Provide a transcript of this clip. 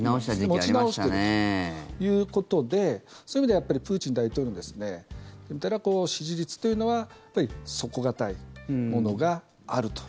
持ち直しているということでそういう意味ではプーチン大統領の支持率というのは底堅いものがあると。